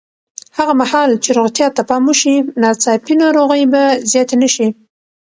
هغه مهال چې روغتیا ته پام وشي، ناڅاپي ناروغۍ به زیاتې نه شي.